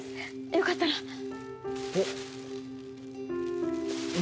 よかったらおっ何？